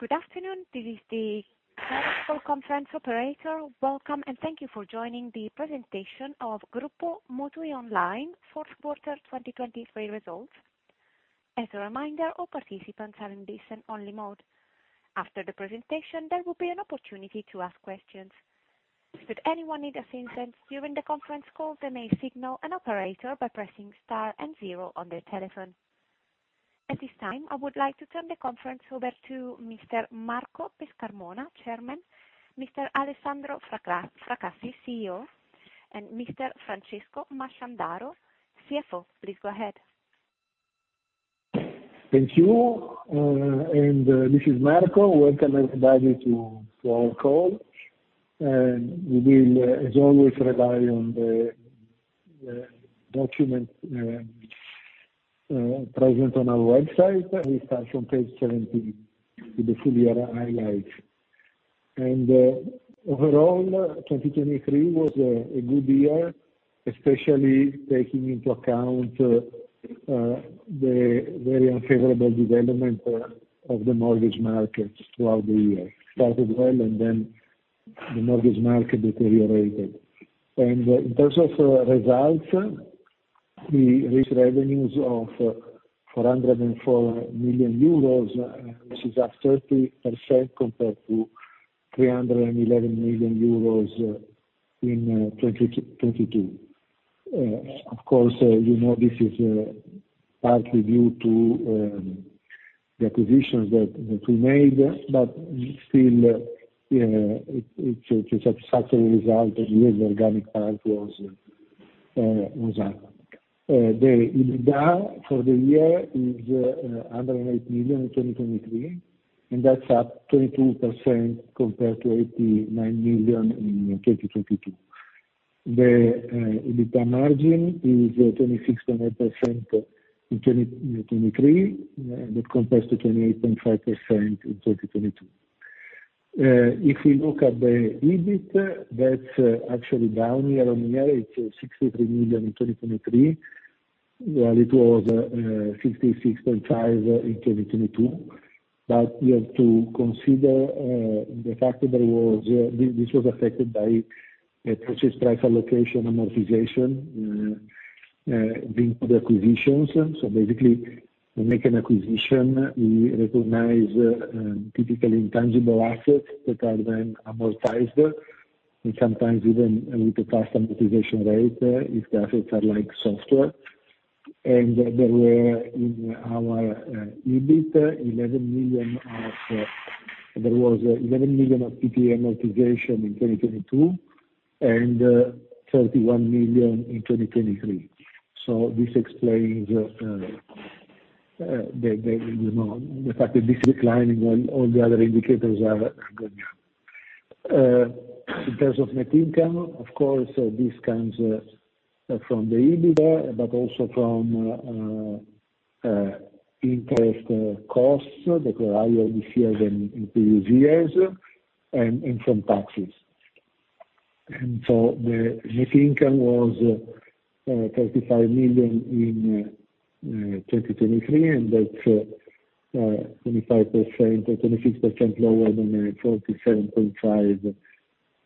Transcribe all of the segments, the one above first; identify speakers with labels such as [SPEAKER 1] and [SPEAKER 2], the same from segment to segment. [SPEAKER 1] Good afternoon. This is the Chorus Call Conference Operator. Welcome, and thank you for joining the presentation of Gruppo MutuiOnline fourth quarter 2023 results. As a reminder, all participants are in listen-only mode. After the presentation, there will be an opportunity to ask questions. Should anyone need assistance during the conference call, they may signal an operator by pressing star and zero on their telephone. At this time, I would like to turn the conference over to Mr. Marco Pescarmona, Chairman, Mr. Alessandro Fracassi, CEO, and Mr. Francesco Masciandaro, CFO. Please go ahead.
[SPEAKER 2] Thank you. And, Marco, welcome everybody to our call. We will, as always, rely on the document present on our website. We start from page 17 with the full year highlights. Overall, 2023 was a good year, especially taking into account the very unfavorable development of the mortgage markets throughout the year. Started well, and then the mortgage market deteriorated. In terms of results, we reached revenues of 404 million euros, which is up 30% compared to 311 million euros in 2022. Of course, you know this is partly due to the acquisitions that we made, but still, it is a satisfactory result, and the organic part was up. The EBITDA for the year is 108 million in 2023, and that's up 22% compared to 89 million in 2022. The EBITDA margin is 26.8% in 2023, but compared to 28.5% in 2022. If we look at the EBIT, that's actually down year-on-year. It's 63 million in 2023, while it was 66.5 million in 2022. But you have to consider the fact that this was affected by purchase price allocation amortization, being the acquisitions. So basically, when we make an acquisition, we recognize typically intangible assets that are then amortized, and sometimes even with the fast amortization rate, if the assets are like software. And there were in our EBIT EUR 11 million of PPA amortization in 2022 and 31 million in 2023. So this explains you know the fact that it's declining while all the other indicators are going down. In terms of net income, of course, this comes from the EBIT, but also from interest costs that were higher this year than in previous years, and from taxes. So the net income was 35 million in 2023, and that's 25% or 26% lower than the 47.5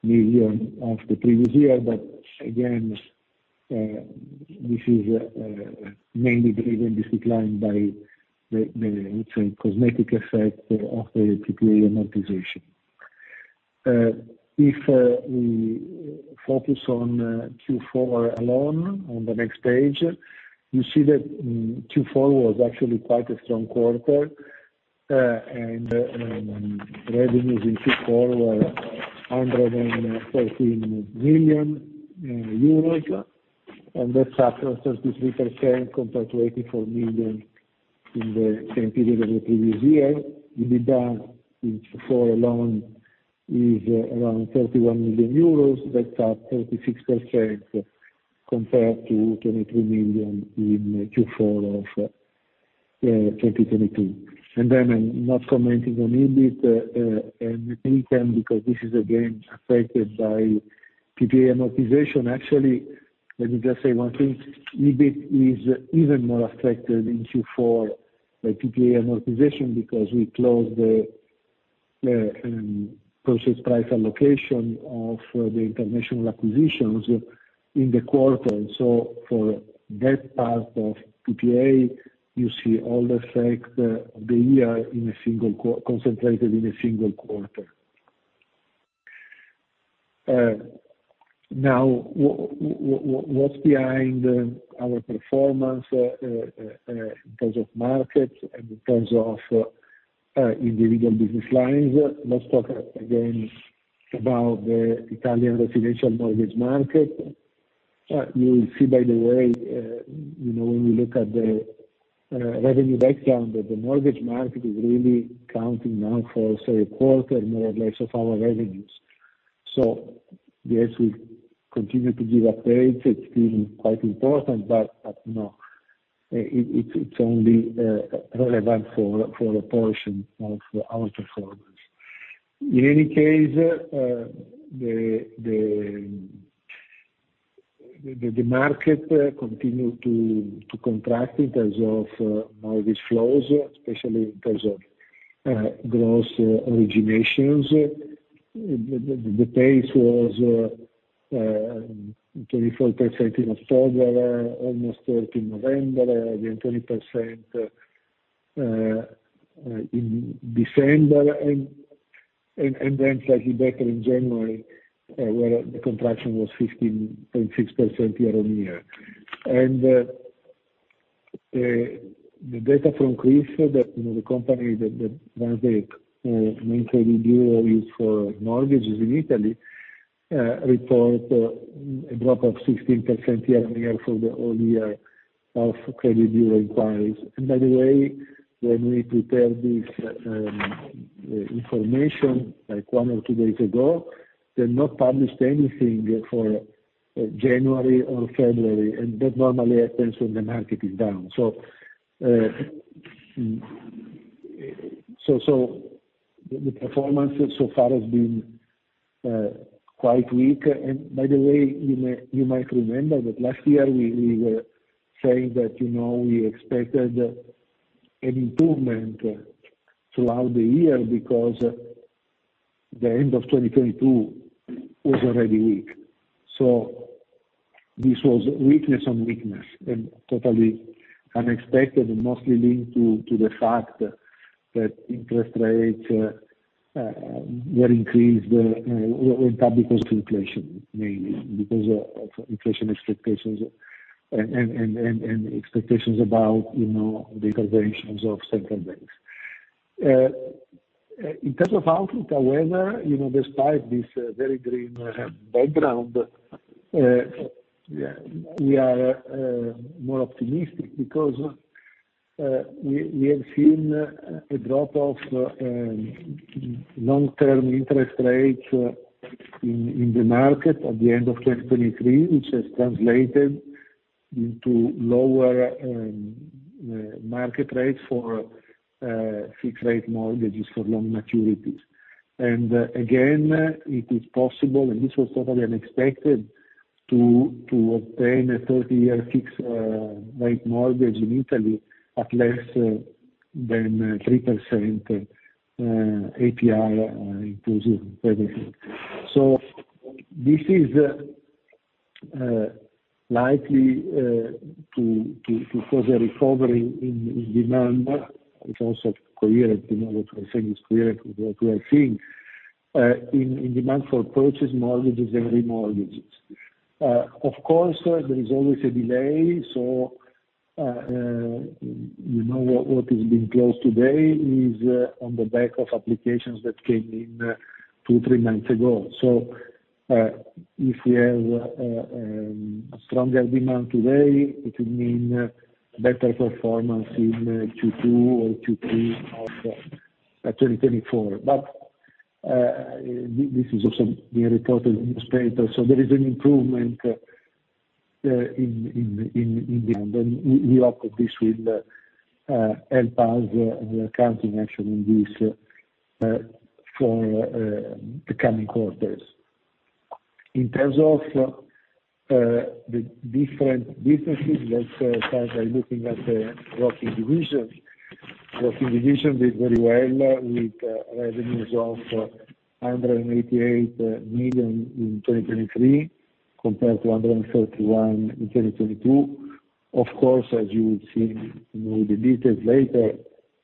[SPEAKER 2] million of the previous year. But again, this is mainly driven, this decline by the, I would say, cosmetic effect of the PPA amortization. If we focus on Q4 alone on the next page, you see that Q4 was actually quite a strong quarter, and revenues in Q4 were 114 million euros, and that's up 33% compared to 84 million in the same period as the previous year. EBITDA in Q4 alone is around 31 million euros. That's up 36% compared to 23 million in Q4 of 2022. Not commenting on EBIT and net income, because this is again affected by PPE amortization. Actually, let me just say one thing. EBIT is even more affected in Q4 by PPA amortization because we closed the purchase price allocation of the international acquisitions in the quarter. And so for that part of PPA, you see all the effect of the year in a single quarter concentrated in a single quarter. Now, what's behind our performance in terms of markets and in terms of individual business lines? Let's talk again about the Italian residential mortgage market. You will see, by the way, you know, when we look at the revenue background, that the mortgage market is really counting now for, say, a quarter more or less of our revenues. So yes, we continue to give updates. It's still quite important, but you know, it's only relevant for a portion of our performance. In any case, the market continued to contract in terms of mortgage flows, especially in terms of gross originations. The pace was 24% in October, almost 30% in November, again 20% in December, and then slightly better in January, where the contraction was 15.6% year-on-year. And the data from CRIF, you know, the company that runs the main credit bureau used for mortgages in Italy, reports a drop of 16% year-on-year for the whole year of credit bureau inquiries. And by the way, when we prepared this information, like, one or two days ago, they haven't published anything for January or February, and that normally happens when the market is down. So, the performance so far has been quite weak. And by the way, you might remember that last year we were saying that, you know, we expected an improvement throughout the year because the end of 2022 was already weak. So this was weakness on weakness and totally unexpected and mostly linked to the fact that interest rates were increased, went up because of inflation, mainly because of inflation expectations and expectations about, you know, the interventions of central banks. In terms of outlook, however, you know, despite this very grim background. We are more optimistic because we have seen a drop of long-term interest rates in the market at the end of 2023, which has translated into lower market rates for fixed-rate mortgages for long maturities. Again, it is possible, and this was totally unexpected, to obtain a 30-year fixed-rate mortgage in Italy at less than 3% APR, inclusive everything. So this is likely to cause a recovery in demand. It's also coherent, you know, what we're saying is coherent with what we are seeing in demand for purchase mortgages and remortgages. Of course, there is always a delay, so, you know, what is being closed today is on the back of applications that came in 2-3 months ago. So, if we have stronger demand today, it would mean better performance in Q2 or Q3 of 2024. But this is also being reported in newspapers. So there is an improvement in demand, and we hope that this will help us accounting actually in this for the coming quarters. In terms of the different businesses, let's start by looking at the BPO division. BPO division did very well with revenues of 188 million in 2023 compared to 131 million in 2022. Of course, as you will see, you know, with the details later,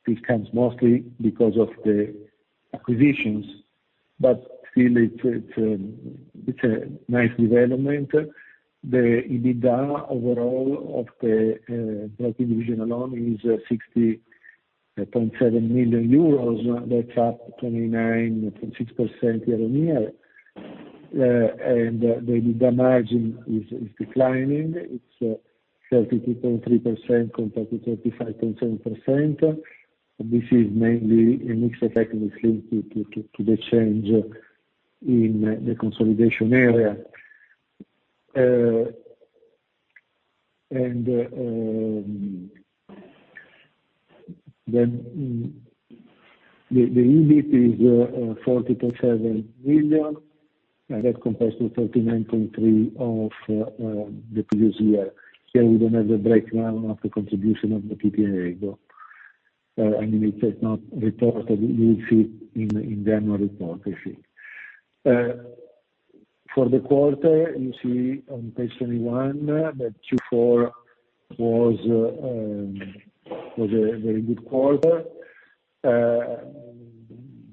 [SPEAKER 2] this comes mostly because of the acquisitions, but still, it's a nice development. The EBITDA overall of the BPO division alone is 60.7 million euros. That's up 29.6% year on year. The EBITDA margin is declining. It's 32.3% compared to 35.7%. This is mainly a mix. Technically linked to the change in the consolidation area. The EBIT is 40.7 million, and that compared to 39.3 million of the previous year. Here, we don't have the breakdown of the contribution of the PPA effect, and it is not reported. You will see it in the annual report, I think. For the quarter, you see on page 21 that Q4 was a very good quarter.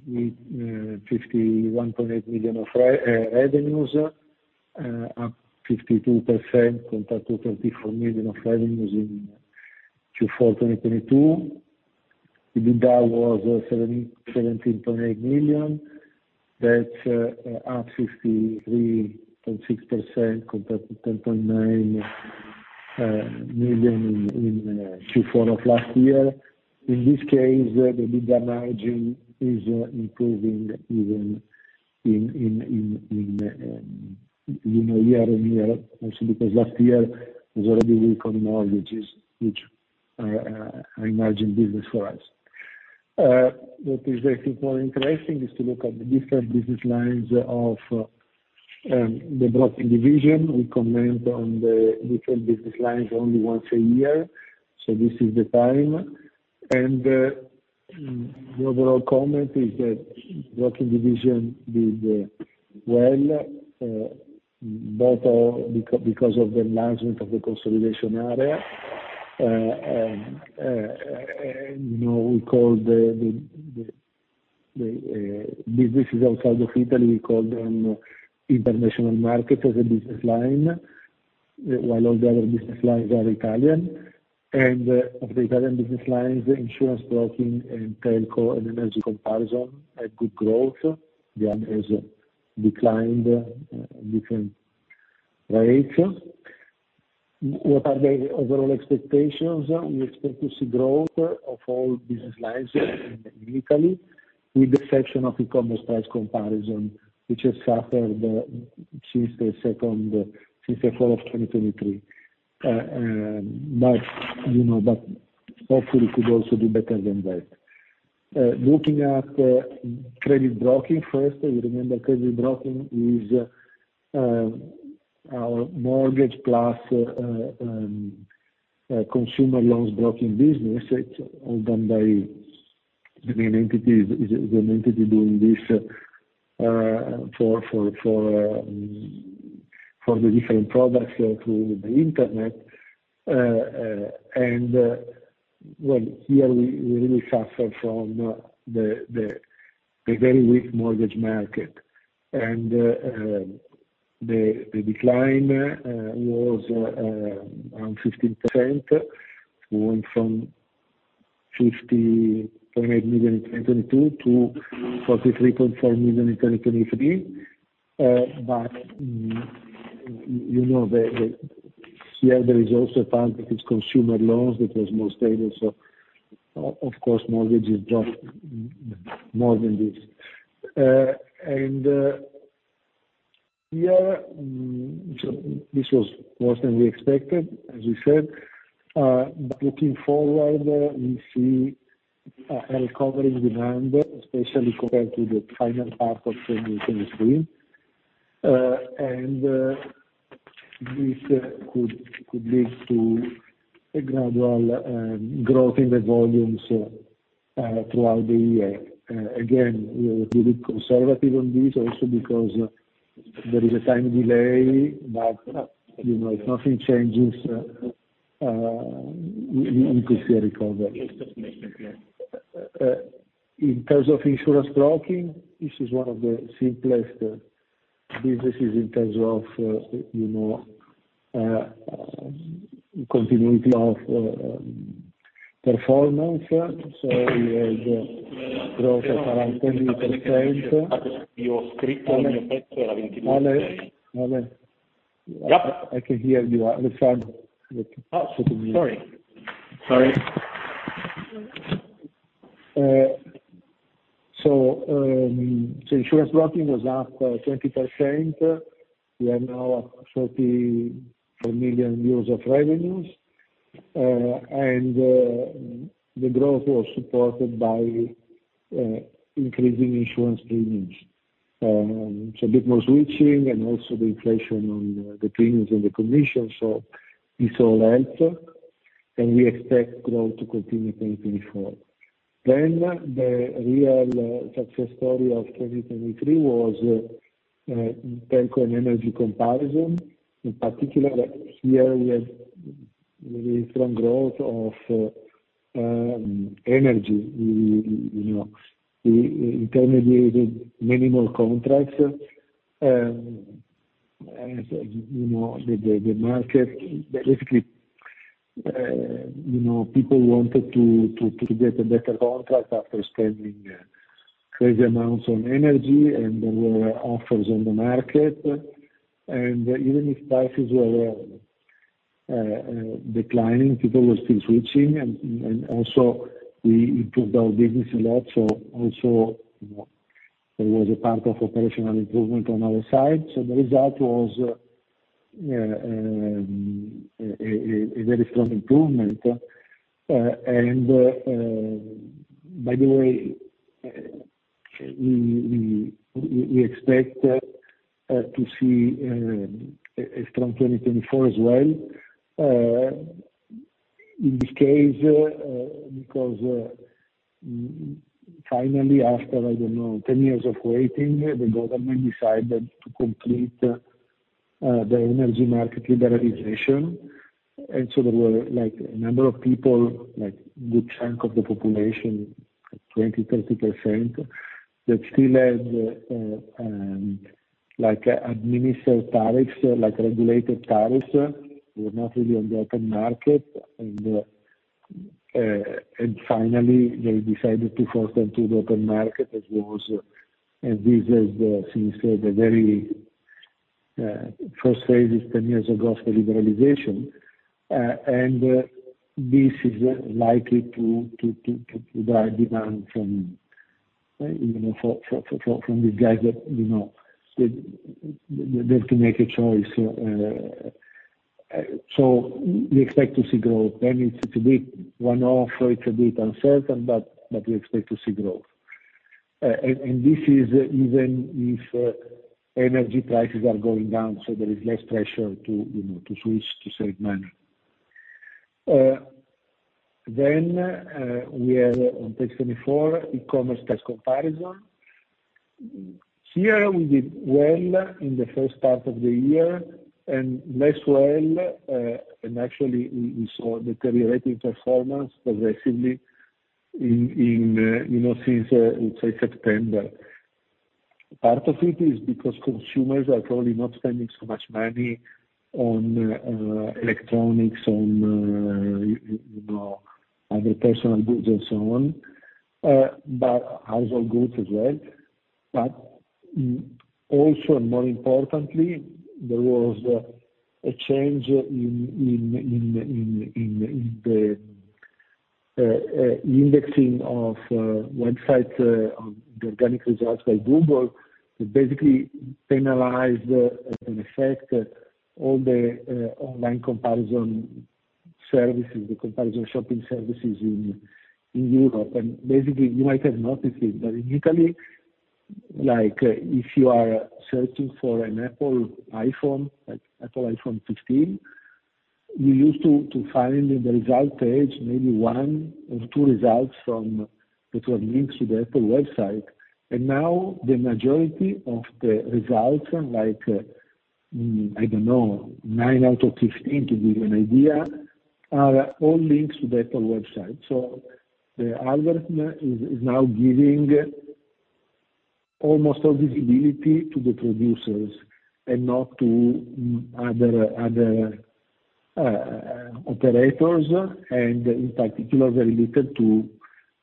[SPEAKER 2] We 51.8 million of revenues, up 52% compared to 34 million of revenues in Q4 2022. EBITDA was 17.8 million. That's up 53.6% compared to 10.9 million in Q4 of last year. In this case, the EBITDA margin is improving even in, you know, year-on-year, also because last year was already weak on mortgages, which are an emerging business for us. What is, I think, more interesting is to look at the different business lines of the broking division. We comment on the different business lines only once a year, so this is the time. The overall comment is that broking division did well, both because of the enlargement of the consolidation area. You know, we call the businesses outside of Italy international markets as a business line, while all the other business lines are Italian. Of the Italian business lines, insurance broking and telco and comparison had good growth. The other has declined at different rates. What are the overall expectations? We expect to see growth of all business lines in Italy, with the exception of e-commerce price comparison, which has suffered since the fall of 2023. You know, hopefully, it could also do better than that. Looking at credit broking first, you remember credit broking is our mortgage-plus consumer loans broking business. It's all done by the main entity, is the main entity doing this for the different products through the internet. Well, here we really suffer from the very weak mortgage market. The decline was around 15%, going from 50.8 million in 2022 to 43.4 million in 2023. But you know, here there is also a part that is consumer loans that was more stable, so of course, mortgages dropped more than this. So this was worse than we expected, as we said. Looking forward, we see a recovering demand, especially compared to the final part of 2023. This could lead to a gradual growth in the volumes throughout the year. Again, we'll be a bit conservative on this, also because there is a time delay, but you know, if nothing changes, we could see a recovery. In terms of insurance broking, this is one of the simplest businesses in terms of, you know, continuity of performance. We had growth of around 20%.
[SPEAKER 3] I think you were on your script on your page that it was 10:06 P.M.
[SPEAKER 2] All right. All right. Yep. I can hear you. Alessandro, look.
[SPEAKER 3] Oh, sorry. Sorry.
[SPEAKER 2] So, insurance broking was up 20%. We are now up 34 million euros of revenues. The growth was supported by increasing insurance premiums. So a bit more switching and also the inflation on the premiums and the commissions, so this all helped. And we expect growth to continue 2024. Then the real success story of 2023 was telco and energy comparison. In particular, here, we had really strong growth of energy. We, you know, intermediated many more contracts. As you know, the market basically, you know, people wanted to get a better contract after spending crazy amounts on energy, and there were offers on the market. And even if prices were declining, people were still switching. Also, we improved our business a lot, so also, you know, there was a part of operational improvement on our side. So the result was a very strong improvement. And by the way, we expect to see a strong 2024 as well. In this case, because finally, after I don't know 10 years of waiting, the government decided to complete the energy market liberalization. And so there were like a number of people, like a good chunk of the population, 20%-30%, that still had like administered tariffs, like regulated tariffs. They were not really on the open market. And finally, they decided to force them to the open market, as was and this has since the very first phase is 10 years ago of the liberalization. And this is likely to drive demand from you know from these guys that you know that they have to make a choice. So we expect to see growth. Then it's a bit one-off. It's a bit uncertain, but we expect to see growth. And this is even if energy prices are going down, so there is less pressure to, you know, to switch to save money. Then we have on page 24, e-commerce price comparison. Here, we did well in the first part of the year and less well, and actually, we saw deteriorating performance progressively in, you know, since, let's say, September. Part of it is because consumers are probably not spending so much money on electronics, on you know, other personal goods and so on, but household goods as well. But also, and more importantly, there was a change in the indexing of websites on the organic results by Google that basically penalized, as an effect, all the online comparison services, the comparison shopping services in Europe. And basically, you might have noticed it, but in Italy, like, if you are searching for an Apple iPhone, like, Apple iPhone 15, you used to find in the result page maybe one or two results from that were linked to the Apple website. And now, the majority of the results, like, I don't know, 9 out of 15, to give you an idea, are all links to the Apple website. So the algorithm is now giving almost all visibility to the producers and not to other operators, and in particular, very little to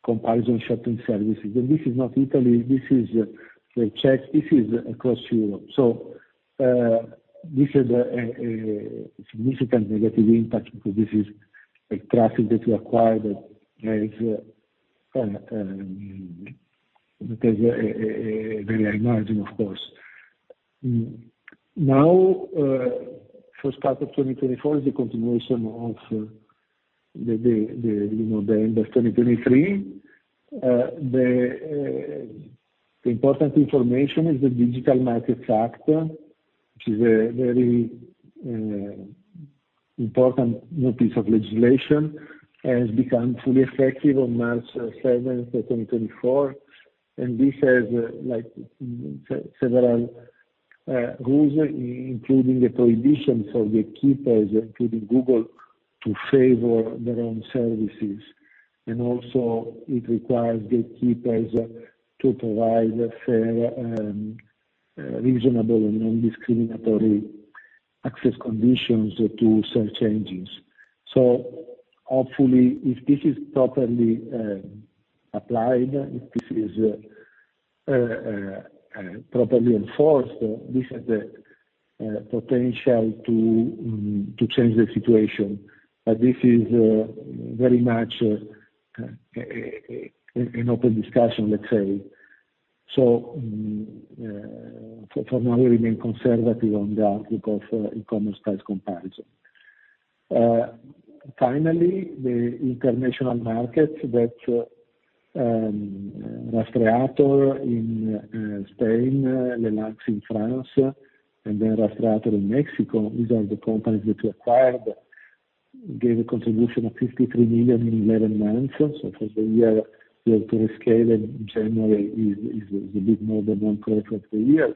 [SPEAKER 2] comparison shopping services. And this is not Italy. This is the Czech Republic. This is across Europe. So, this had a significant negative impact because this is, like, traffic that you acquire that has a very high margin, of course. Now, first part of 2024 is the continuation of, you know, the end of 2023. The important information is the Digital Markets Act, which is a very important new piece of legislation, has become fully effective on March 7th, 2024. And this has, like, several rules, including a prohibition for gatekeepers, including Google, to favor their own services. And also, it requires gatekeepers to provide fair, reasonable and non-discriminatory access conditions to search engines. So hopefully, if this is properly applied, if this is properly enforced, this has the potential to change the situation. But this is very much an open discussion, let's say. So, for now, we remain conservative on that because of e-commerce price comparison. Finally, the international markets that Rastreator in Spain, LeLynx in France, and then Rastreator in Mexico, these are the companies that we acquired, gave a contribution of 53 million in 11 months. So for the year, we have to rescale it. January is a bit more than 1% of the year,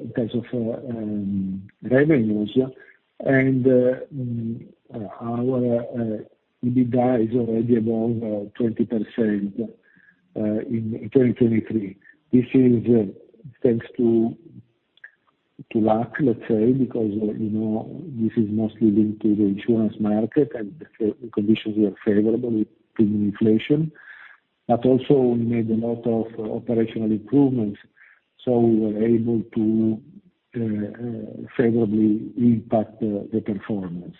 [SPEAKER 2] in terms of revenues. And our EBITDA is already above 20% in 2023. This is thanks to luck, let's say, because, you know, this is mostly linked to the insurance market and the fact that the conditions were favorable, including inflation. But also, we made a lot of operational improvements, so we were able to favorably impact the performance.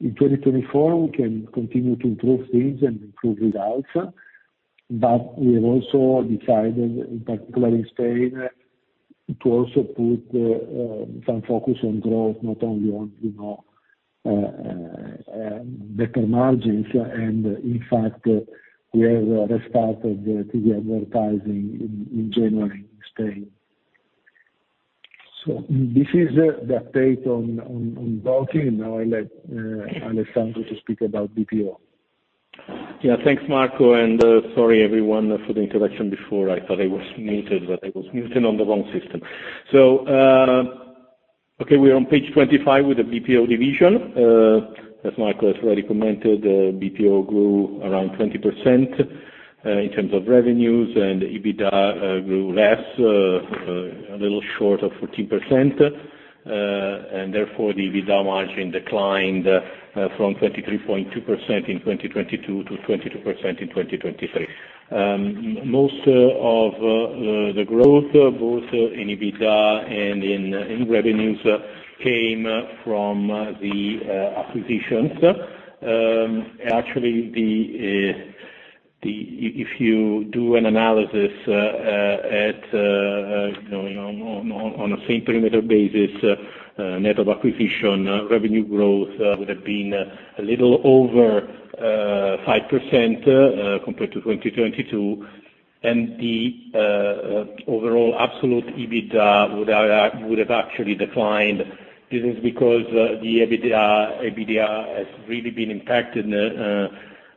[SPEAKER 2] In 2024, we can continue to improve things and improve results. But we have also decided, in particular in Spain, to also put some focus on growth, not only on, you know, better margins. And in fact, we have restarted TV advertising in January in Spain. So this is the update on broking. Now I let Alessandro to speak about BPO.
[SPEAKER 3] Yeah. Thanks, Marco. And, sorry, everyone, for the interruption before. I thought I was muted, but I was muted on the wrong system. So, okay, we are on page 25 with the BPO division. As Marco has already commented, BPO grew around 20%, in terms of revenues, and EBITDA grew less, a little short of 14%. And therefore, the EBITDA margin declined, from 23.2% in 2022 to 22% in 2023. Most of the growth, both in EBITDA and in revenues, came from the acquisitions. And actually, if you do an analysis, you know, on a same-perimeter basis, net of acquisition, revenue growth would have been a little over 5%, compared to 2022. And the overall absolute EBITDA would have actually declined. This is because the EBITDA, EBITDA has really been impacted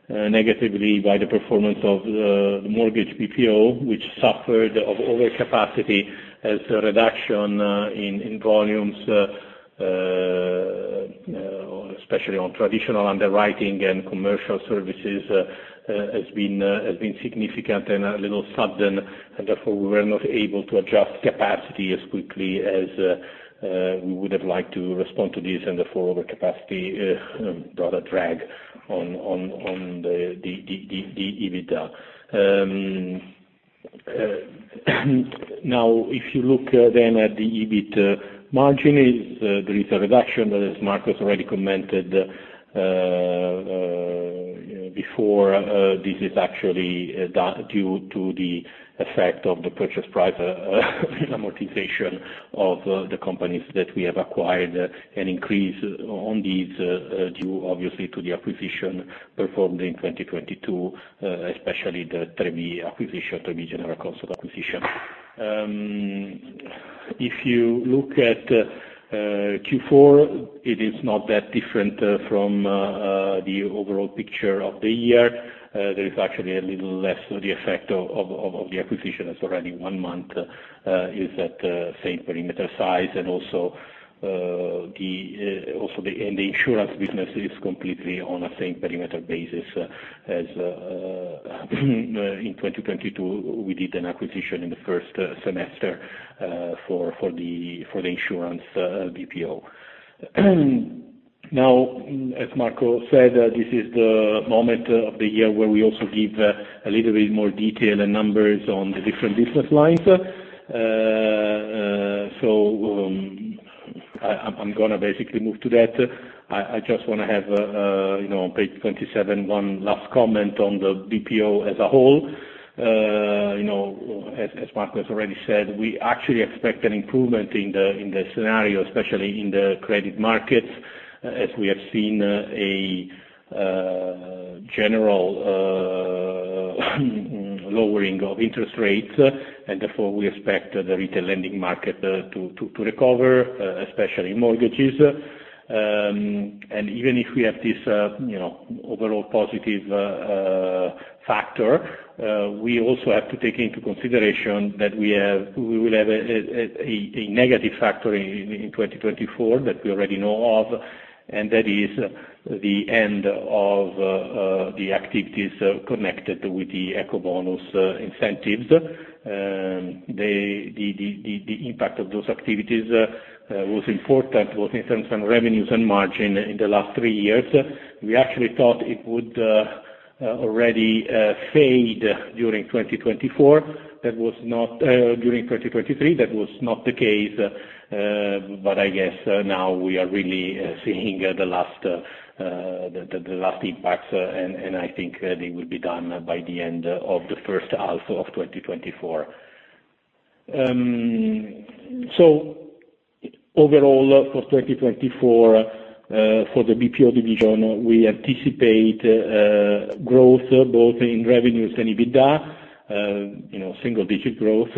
[SPEAKER 3] negatively by the performance of the mortgage BPO, which suffered from overcapacity as a reduction in volumes, especially on traditional underwriting and commercial services, has been significant and a little sudden. Therefore, we were not able to adjust capacity as quickly as we would have liked to respond to this. Therefore, overcapacity brought a drag on the EBITDA. Now, if you look then at the EBIT margin, there is a reduction that, as Marco has already commented before. This is actually due to the effect of the purchase price amortization of the companies that we have acquired and increase on these, due obviously to the acquisition performed in 2022, especially the Trevi acquisition, Trevi General Consult acquisition. If you look at Q4, it is not that different from the overall picture of the year. There is actually a little less of the effect of the acquisition. It's already one month is at same-perimeter size. And also the insurance business is completely on a same-perimeter basis as in 2022 we did an acquisition in the first semester for the insurance BPO. Now, as Marco said, this is the moment of the year where we also give a little bit more detail and numbers on the different business lines. So, I'm gonna basically move to that. I just wanna have, you know, on page 27, one last comment on the BPO as a whole. You know, as Marco has already said, we actually expect an improvement in the scenario, especially in the credit markets, as we have seen a general lowering of interest rates. And therefore, we expect the retail lending market to recover, especially in mortgages. And even if we have this, you know, overall positive factor, we also have to take into consideration that we will have a negative factor in 2024 that we already know of. And that is the end of the activities connected with the Ecobonus incentives. The impact of those activities was important, both in terms of revenues and margin in the last three years. We actually thought it would already fade during 2024. That was not the case during 2023. But I guess, now we are really seeing the last impacts. And I think they will be done by the end of the first half of 2024. So overall, for 2024, for the BPO division, we anticipate growth both in revenues and EBITDA, you know, single-digit growth,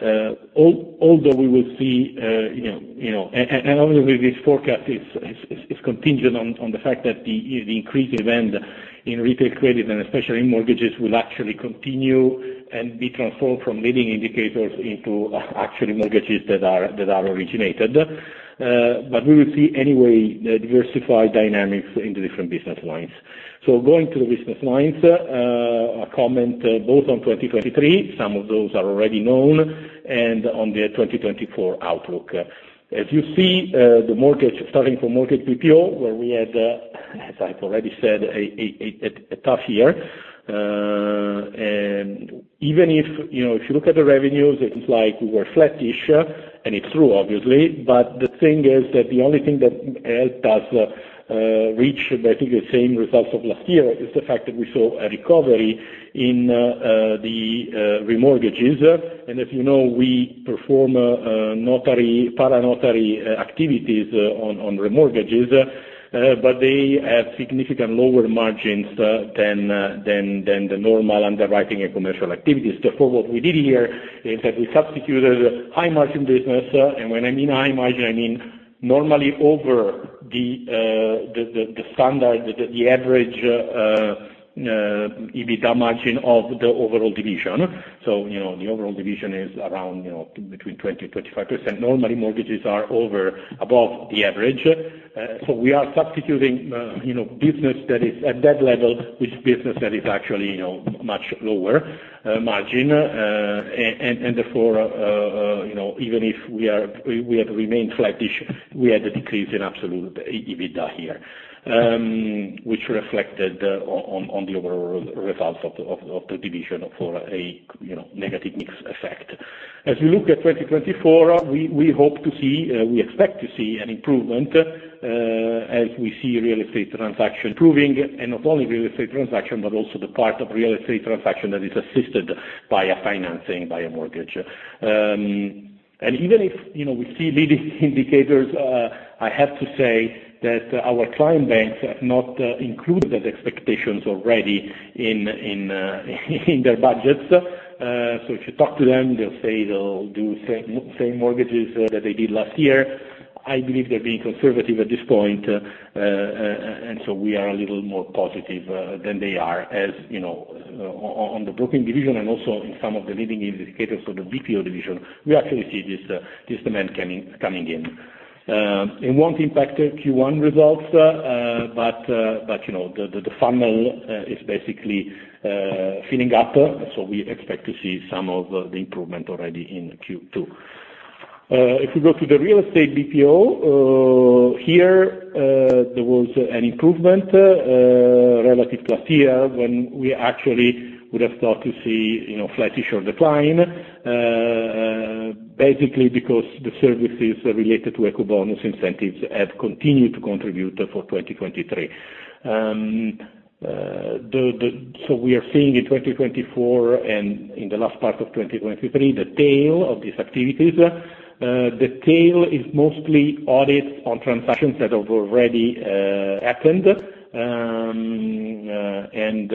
[SPEAKER 3] although we will see, you know, and obviously, this forecast is contingent on the fact that the increasing event in retail credit and especially in mortgages will actually continue and be transformed from leading indicators into actually mortgages that are originated. But we will see anyway diversified dynamics in the different business lines. So going to the business lines, a comment both on 2023. Some of those are already known. And on the 2024 outlook. As you see, the mortgage starting from mortgage BPO, where we had, as I've already said, a tough year. Even if, you know, if you look at the revenues, it seems like we were flattish. It's true, obviously. But the thing is that the only thing that helped us reach, I think, the same results of last year is the fact that we saw a recovery in the re-mortgages. And as you know, we perform notary para-notary activities on re-mortgages. But they have significant lower margins than the normal underwriting and commercial activities. Therefore, what we did here is that we substituted high-margin business. And when I mean high-margin, I mean normally over the standard, the average EBITDA margin of the overall division. So, you know, the overall division is around, you know, between 20%-25%. Normally, mortgages are over above the average. So we are substituting, you know, business that is at that level with business that is actually, you know, much lower margin. And therefore, you know, even if we have remained flattish, we had a decrease in absolute EBITDA here, which reflected on the overall results of the division for a, you know, negative mix effect. As we look at 2024, we hope to see, we expect to see an improvement, as we see real estate transaction improving. And not only real estate transaction, but also the part of real estate transaction that is assisted by a financing, by a mortgage. And even if, you know, we see leading indicators, I have to say that our client banks have not included. Those expectations already in their budgets. So if you talk to them, they'll say they'll do same mortgages that they did last year. I believe they're being conservative at this point. So we are a little more positive than they are, as you know, on the broking division and also in some of the leading indicators of the BPO division. We actually see this demand coming in and won't impact the Q1 results, but you know, the funnel is basically filling up. So we expect to see some of the improvement already in Q2. If we go to the real estate BPO here, there was an improvement relative last year when we actually would have thought to see you know, flattish or decline, basically because the services related to Ecobonus incentives have continued to contribute for 2023. So we are seeing in 2024 and in the last part of 2023, the tail of these activities. The tail is mostly audits on transactions that have already happened. And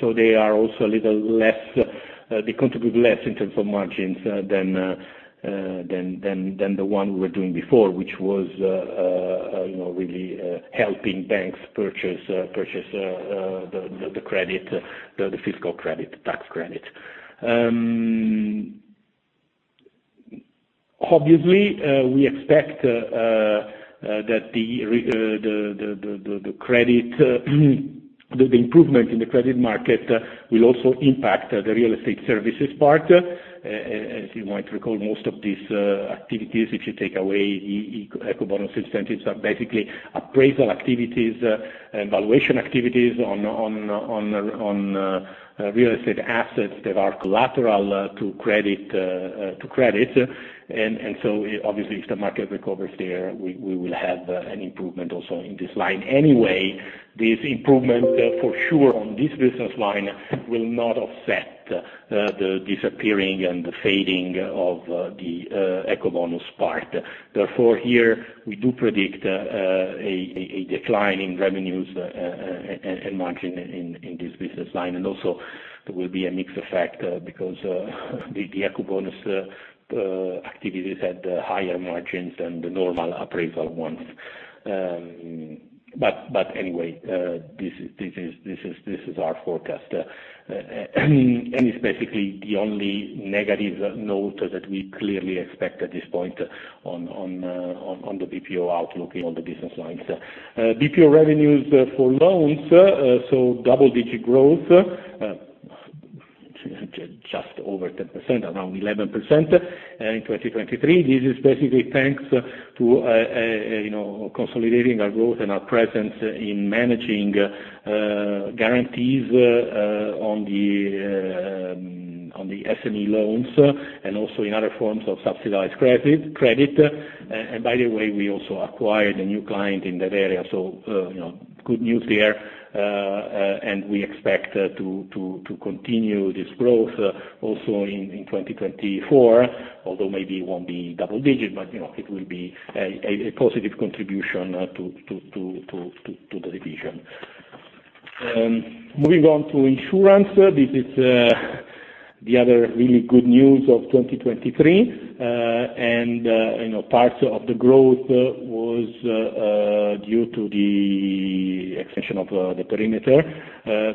[SPEAKER 3] so they are also a little less, they contribute less in terms of margins than the one we were doing before, which was, you know, really helping banks purchase the fiscal credit, tax credit. Obviously, we expect that the improvement in the credit market will also impact the real estate services part. And as you might recall, most of these activities, if you take away the Ecobonus incentives, are basically appraisal activities, evaluation activities on real estate assets that are collateral to credit. And so, obviously, if the market recovers there, we will have an improvement also in this line. Anyway, this improvement, for sure on this business line will not offset the disappearing and the fading of the Ecobonus part. Therefore, here, we do predict a decline in revenues and margin in this business line. And also, there will be a mixed effect, because the Ecobonus activities had higher margins than the normal appraisal ones. But anyway, this is our forecast. And it's basically the only negative note that we clearly expect at this point on the BPO outlook in all the business lines. BPO revenues for loans, so double-digit growth, just over 10%, around 11%, in 2023. This is basically thanks to, you know, consolidating our growth and our presence in managing guarantees on the SME loans and also in other forms of subsidized credit. And by the way, we also acquired a new client in that area. So, you know, good news there. And we expect to continue this growth also in 2024, although maybe it won't be double-digit, but, you know, it will be a positive contribution to the division. Moving on to insurance, this is the other really good news of 2023. And, you know, part of the growth was due to the extension of the perimeter.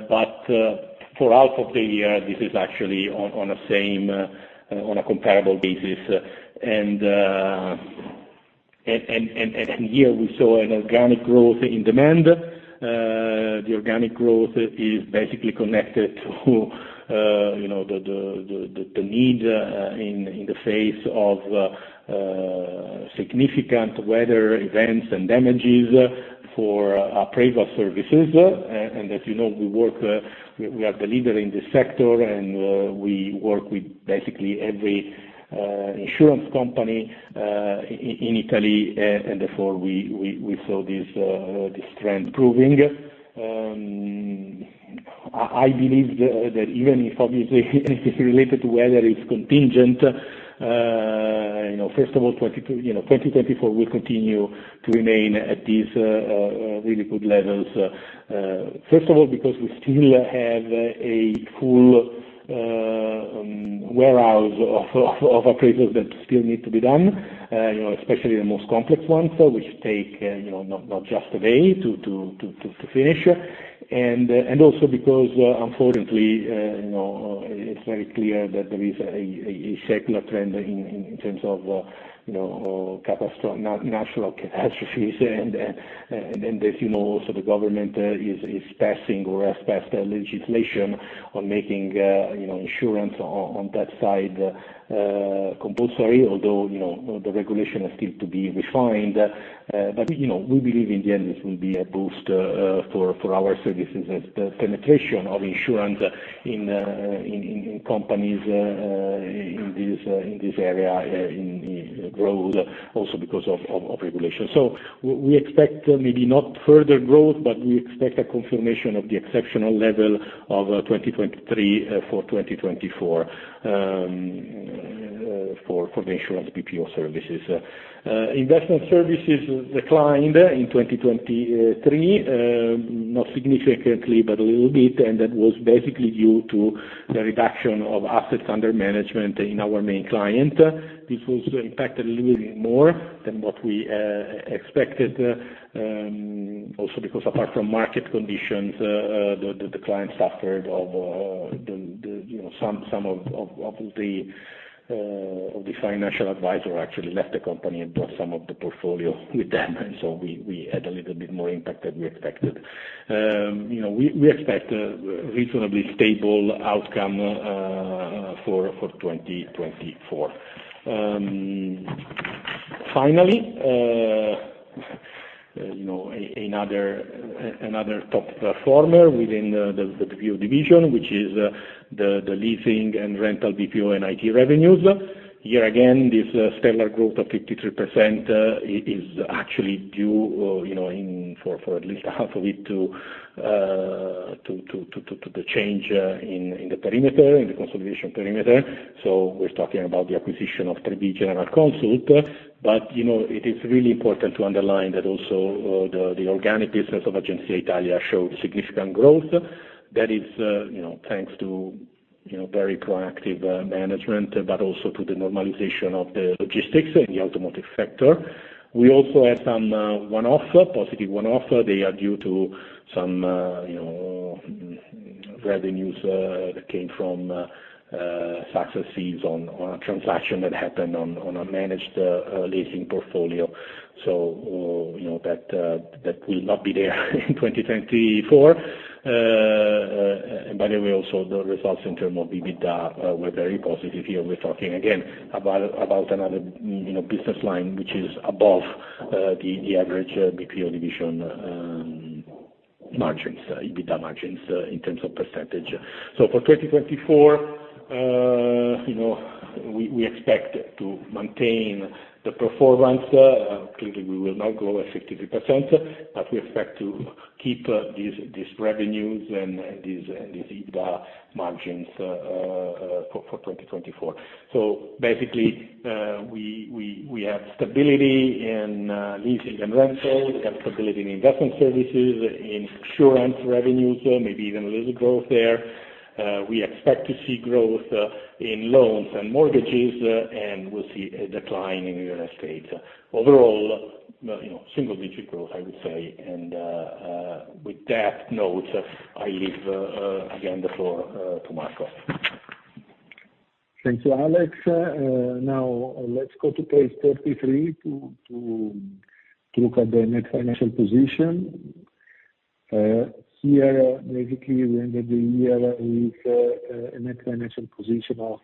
[SPEAKER 3] But, for half of the year, this is actually on a comparable basis. And here, we saw an organic growth in demand. The organic growth is basically connected to, you know, the need, in the face of significant weather events and damages for appraisal services. And as you know, we are the leader in this sector. And we work with basically every insurance company in Italy. And therefore, we saw this trend improving. I believe that even if obviously anything related to weather is contingent. You know, first of all, 2024, you know, 2024 will continue to remain at these really good levels, first of all, because we still have a full warehouse of appraisals that still need to be done, you know, especially the most complex ones, which take, you know, not just a day to finish. And also because, unfortunately, you know, it's very clear that there is a secular trend in terms of, you know, or catastrophes, national catastrophes. And as you know, also, the government is passing or has passed legislation on making, you know, insurance on that side compulsory, although, you know, the regulation is still to be refined. But we, you know, we believe in the end, this will be a boost for our services as the penetration of insurance in companies in this area. The growth also because of regulation. So we expect maybe not further growth, but we expect a confirmation of the exceptional level of 2023 for 2024 for the insurance BPO services. Investment services declined in 2023, not significantly, but a little bit. That was basically due to the reduction of assets under management in our main client. This was impacted a little bit more than what we expected, also because apart from market conditions, the client suffered of, you know, some of the financial advisor actually left the company and brought some of the portfolio with them. So we had a little bit more impact than we expected. You know, we expect a reasonably stable outcome for 2024. Finally, you know, another top performer within the BPO division, which is the leasing and rental BPO and IT revenues. Here again, this stellar growth of 53% is actually due, you know, at least half of it to the change in the perimeter in the consolidation perimeter. So we're talking about the acquisition of Trevi General Consult. But, you know, it is really important to underline that also, the organic business of Agenzia Italia showed significant growth that is, you know, thanks to, you know, very proactive management, but also to the normalization of the logistics in the automotive sector. We also had some one-off positive one-offs. They are due to some, you know, revenues that came from successes on a transaction that happened on a managed leasing portfolio. So, you know, that will not be there in 2024. And by the way, also, the results in terms of EBITDA were very positive here. We're talking, again, about another, you know, business line, which is above the average BPO division margins, EBITDA margins, in terms of percentage. So for 2024, you know, we expect to maintain the performance. Clearly, we will not grow at 53%, but we expect to keep these revenues and these EBITDA margins for 2024. So basically, we have stability in leasing and rental. We have stability in investment services, in insurance revenues, maybe even a little growth there. We expect to see growth in loans and mortgages, and we'll see a decline in real estate. Overall, you know, single-digit growth, I would say. And with that note, I leave again the floor to Marco.
[SPEAKER 2] Thank you, Alex. Now, let's go to page 33 to look at the net financial position. Here, basically, we ended the year with a net financial position of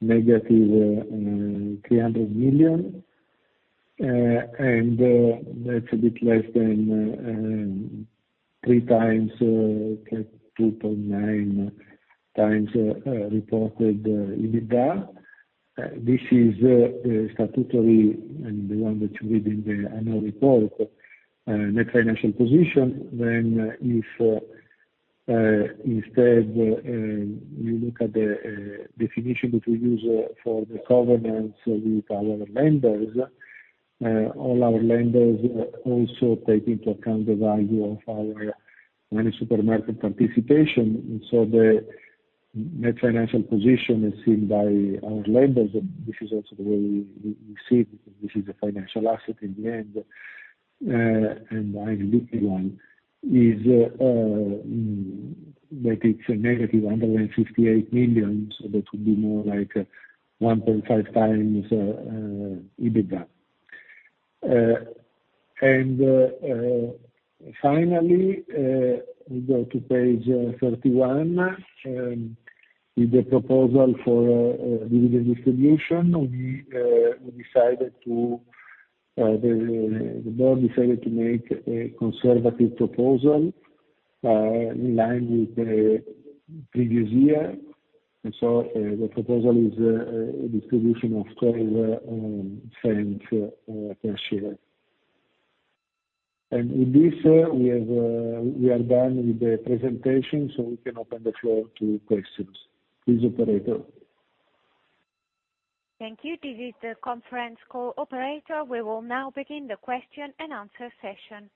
[SPEAKER 2] negative 300 million. And that's a bit less than three times, 2.9 times, reported EBITDA. This is the statutory and the one that you read in the annual report, net financial position. Then, if instead we look at the definition that we use for the governance with our lenders, all our lenders also take into account the value of our Moneysupermarket participation. And so the net financial position is seen by our lenders, that this is also the way we see it because this is a financial asset in the end, and a highly liquid one, is that it's negative 158 million. So that would be more like 1.5 times EBITDA. Finally, we go to page 31, with the proposal for dividend distribution. The board decided to make a conservative proposal, in line with the previous year. And so, the proposal is a distribution of 0.12 per share. And with this, we are done with the presentation, so we can open the floor to questions. Please, operator.
[SPEAKER 1] Thank you. This is the conference call operator. We will now begin the question and answer session.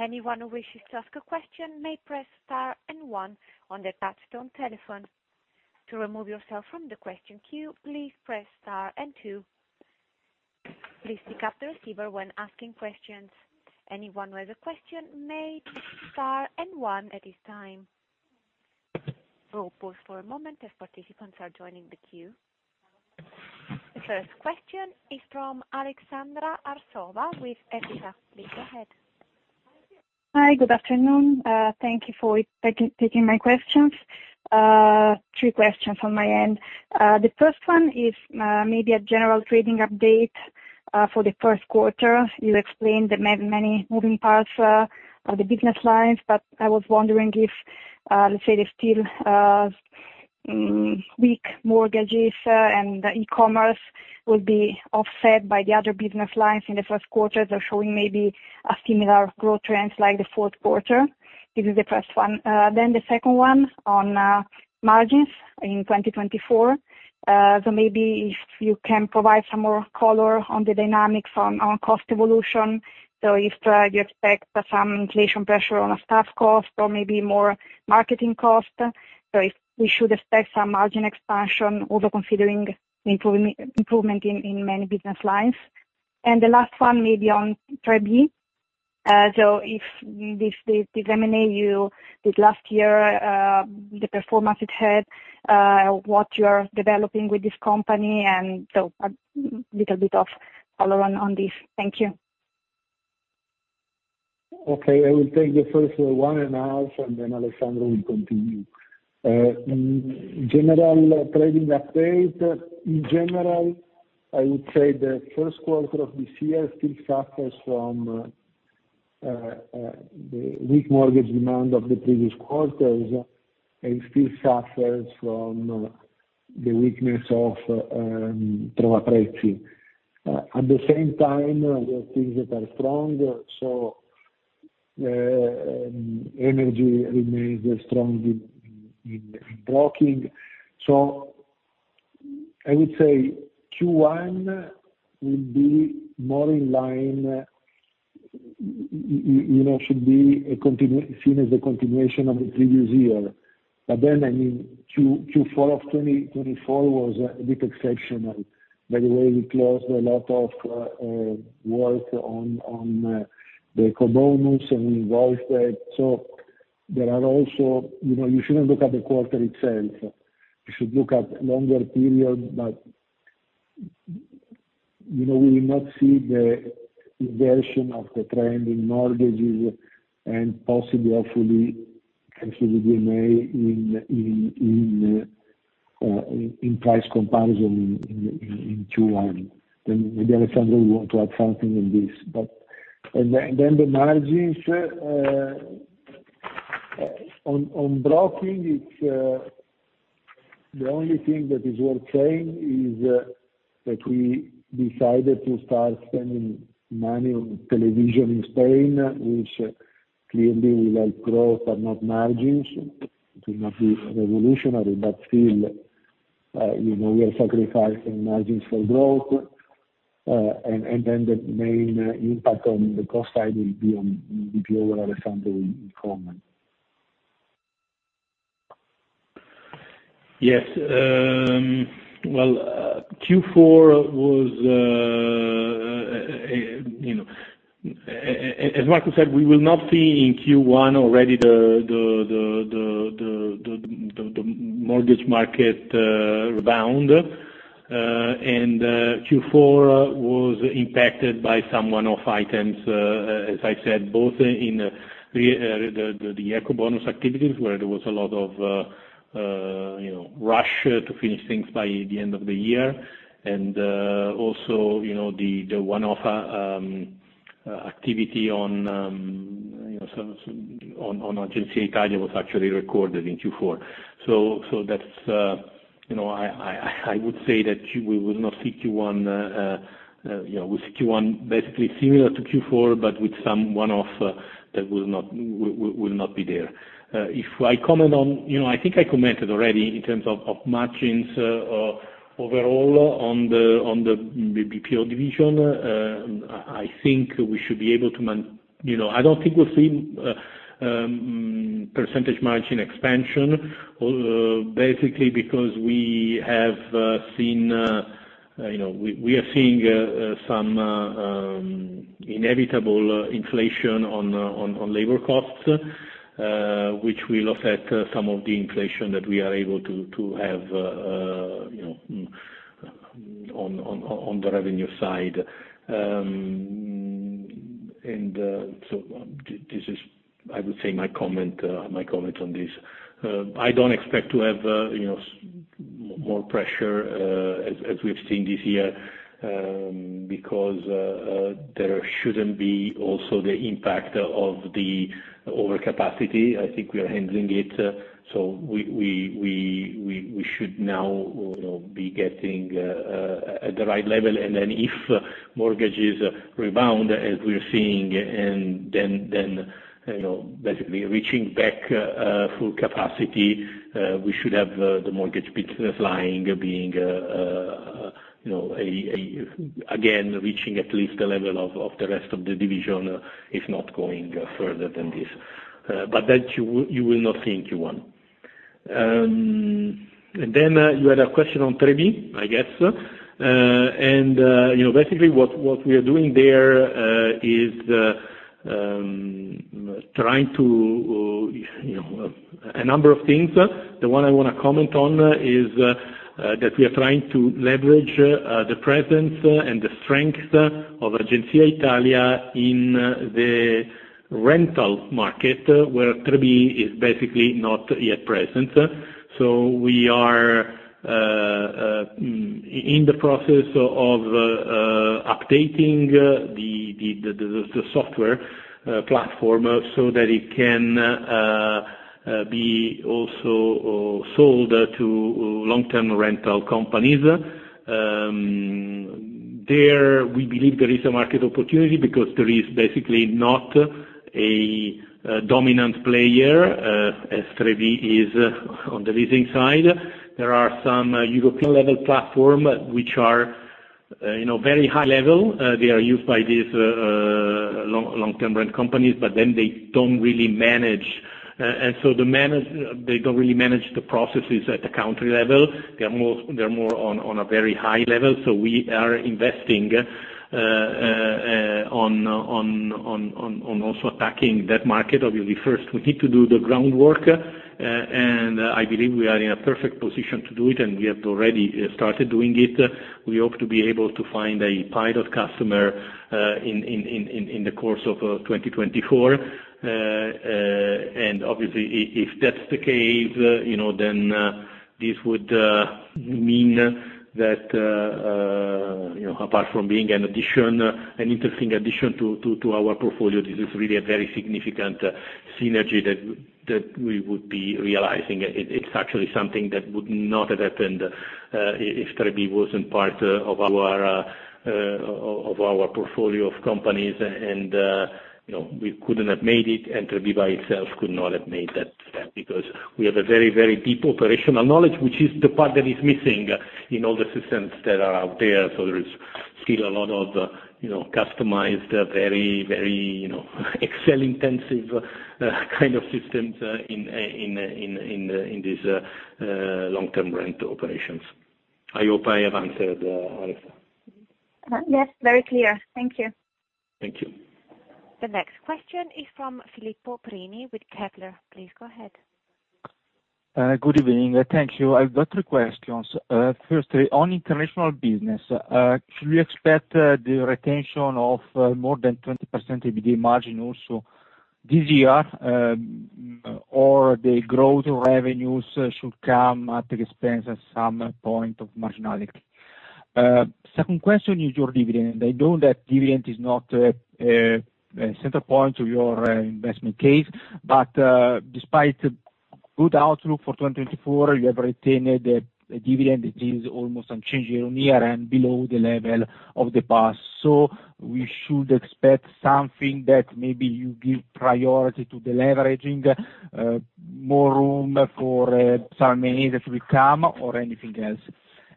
[SPEAKER 1] Anyone who wishes to ask a question may press star and one on the touch-tone telephone. To remove yourself from the question queue, please press star and two. Please pick up the receiver when asking questions. Anyone who has a question may press star and one at this time. We'll pause for a moment as participants are joining the queue. The first question is from Aleksandra Arsova with Equita. Please go ahead.
[SPEAKER 4] Hi. Good afternoon. Thank you for taking my questions. Three questions on my end. The first one is maybe a general trading update for the first quarter. You explained the many moving parts of the business lines, but I was wondering if, let's say the still weak mortgages and e-commerce will be offset by the other business lines in the first quarter that are showing maybe a similar growth trend like the fourth quarter. This is the first one. Then the second one on margins in 2024. So maybe if you can provide some more color on the dynamics on cost evolution. So if you expect some inflation pressure on a staff cost or maybe more marketing cost, so if we should expect some margin expansion also considering improvement in many business lines. And the last one maybe on Trevi. So if this M&A you did last year, the performance it had, what you are developing with this company. And so a little bit of color on this. Thank you.
[SPEAKER 2] Okay. I will take the first one and ask, and then Aleksandra will continue. General trading update. In general, I would say the first quarter of this year still suffers from the weak mortgage demand of the previous quarters, and still suffers from the weakness of Trovaprezzi. At the same time, there are things that are strong, so energy remains strong in broking. So I would say Q1 will be more in line, you know, should be a continue seen as a continuation of the previous year. But then, I mean, Q4 of 2024 was a bit exceptional. By the way, we closed a lot of work on the Ecobonus, and we invoiced that. So there are also, you know, you shouldn't look at the quarter itself. You should look at longer period, but, you know, we will not see the inversion of the trend in mortgages and possibly, hopefully, thanks to the DMA in price comparison in Q1. Then maybe Aleksandra will want to add something on this. But then the margins on broking, it's the only thing that is worth saying is that we decided to start spending money on television in Spain, which clearly will help growth, but not margins. It will not be revolutionary, but still, you know, we are sacrificing margins for growth. And then the main impact on the cost side will be on BPO, or Aleksandra will comment.
[SPEAKER 3] Yes. Well, Q4 was, you know, as Marco said, we will not see in Q1 already the mortgage market rebound. And Q4 was impacted by some one-off items, as I said, both in re the Ecobonus activities, where there was a lot of, you know, rush to finish things by the end of the year. And also, you know, the one-off activity on Agenzia Italia was actually recorded in Q4. So that's, you know, I would say that Q we will not see Q1, you know, we'll see Q1 basically similar to Q4, but with some one-off that would not be there. If I comment on, you know, I think I commented already in terms of margins, overall on the BPO division. I think we should be able to maintain, you know, I don't think we'll see percentage margin expansion, basically because we've seen, you know, we are seeing some inevitable inflation on labor costs, which will offset some of the inflation that we are able to have, you know, on the revenue side. So this is, I would say, my comment on this. I don't expect to have, you know, more pressure, as we've seen this year, because there shouldn't be also the impact of the overcapacity. I think we are handling it. So we should now, you know, be getting at the right level. And then if mortgages rebound as we're seeing, and then, then, you know, basically reaching back full capacity, we should have the mortgage business line being, you know, a. Again, reaching at least the level of the rest of the division, if not going further than this. But that you will not see in Q1. And then, you had a question on 3B, I guess. And, you know, basically, what we are doing there is trying to, you know, a number of things. The one I want to comment on is that we are trying to leverage the presence and the strength of Agenzia Italia in the rental market, where 3B is basically not yet present. So we are in the process of updating the software platform so that it can be also sold to long-term rental companies. There, we believe there is a market opportunity because there is basically not a dominant player, as 3B is on the leasing side. There are some European-level platforms which are, you know, very level.
[SPEAKER 5] They are used by these long-term rent companies, but then they don't really manage. And so they manage; they don't really manage the processes at the country level. They are more on a very high level. So we are investing also attacking that market. Obviously, first, we need to do the groundwork, and I believe we are in a perfect position to do it, and we have already started doing it. We hope to be able to find a pilot customer in the course of 2024. And obviously, if that's the case, you know, then this would mean that, you know, apart from being an interesting addition to our portfolio, this is really a very significant synergy that we would be realizing. It's actually something that would not have happened, if Trevi wasn't part of our portfolio of companies, and, you know, we couldn't have made it, and Trevi by itself could not have made that step because we have a very, very deep operational knowledge, which is the part that is missing in all the systems that are out there. So there is still a lot of, you know, customized, very, very, you know, Excel-intensive, kind of systems, in this long-term rent operations. I hope I have answered, Aleksandra.
[SPEAKER 4] Yes. Very clear. Thank you.
[SPEAKER 5] Thank you.
[SPEAKER 1] The next question is from Filippo Perini with Kepler. Please go ahead.
[SPEAKER 6] Good evening. Thank you. I've got three questions. Firstly, on international business, should we expect the retention of more than 20% EBITDA margin also this year, or the growth revenues should come at the expense of some point of marginality? Second question is your dividend. I know that dividend is not a central point of your investment case, but despite good outlook for 2024, you have retained a dividend that is almost unchanged year-over-year and below the level of the past. So we should expect something that maybe you give priority to the leveraging, more room for some manager to become or anything else.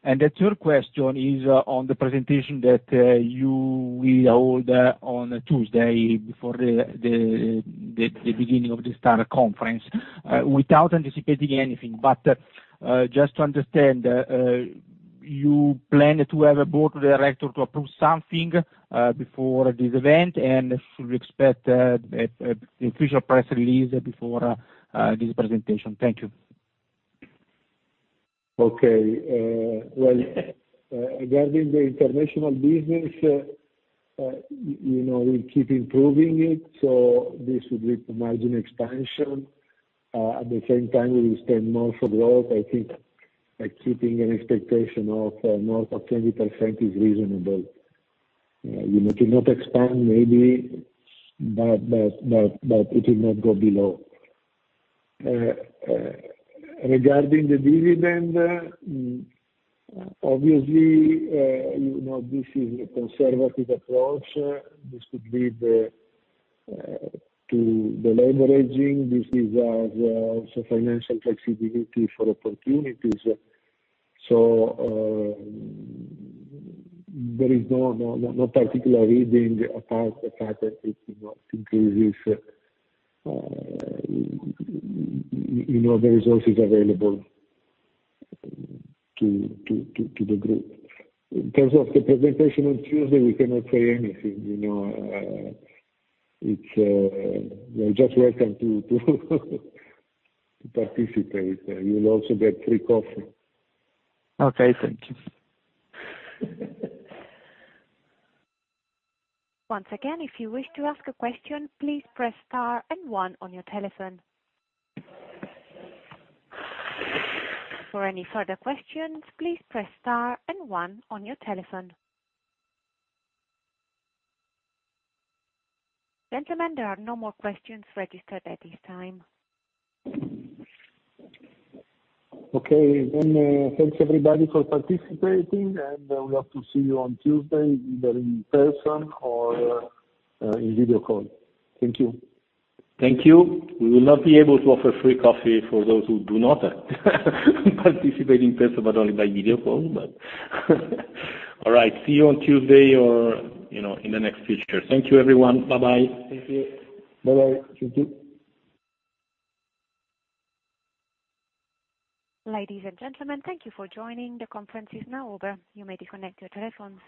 [SPEAKER 6] And the third question is on the presentation that you will hold on Tuesday before the beginning of the STAR conference, without anticipating anything. But, just to understand, you plan to have a board director to approve something, before this event, and should we expect an official press release before this presentation? Thank you.
[SPEAKER 2] Okay. Well, regarding the international business, you know, we'll keep improving it. So this would be margin expansion. At the same time, we will spend more for growth. I think, keeping an expectation of, north of 20% is reasonable. You know, to not expand maybe, but it will not go below. Regarding the dividend, obviously, you know, this is a conservative approach. This could lead, to the leveraging. This gives us, also financial flexibility for opportunities. So, there is no particular reading apart the fact that it, you know, increases, you know, the resources available to the group. In terms of the presentation on Tuesday, we cannot say anything, you know. It's, you're just welcome to participate. You'll also get free coffee.
[SPEAKER 6] Okay. Thank you.
[SPEAKER 1] Once again, if you wish to ask a question, please press star and 1 on your telephone. For any further questions, please press star and 1 on your telephone. Gentlemen, there are no more questions registered at this time.
[SPEAKER 2] Okay. Then, thanks, everybody, for participating, and we hope to see you on Tuesday, either in person or, in video call. Thank you.
[SPEAKER 5] Thank you. We will not be able to offer free coffee for those who do not participate in person, but only by video call. All right. See you on Tuesday or, you know, in the next future. Thank you, everyone. Bye-bye.
[SPEAKER 2] Thank you. Bye-bye. Thank you.
[SPEAKER 1] Ladies and gentlemen, thank you for joining. The conference is now over. You may disconnect your telephones.